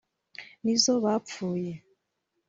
ni zo bapfuye